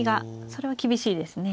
それは厳しいですね。